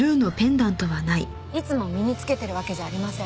いつも身に着けてるわけじゃありません。